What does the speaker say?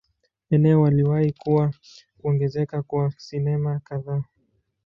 Eneo aliwahi kuwa kuongezeka kwa sinema kadhaa.